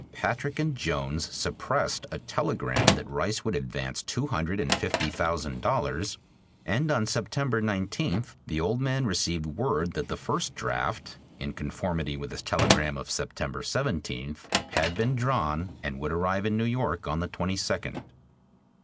Patrick and Jones suppressed a telegram that Rice would advance two hundred and fifty thousand dollars, and on September 19th the old man received word that the first draft in conformity with his telegram of September 17th had been drawn and would arrive in New York on the 22d.